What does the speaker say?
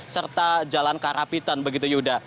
serta jalan karapitan begitu yuda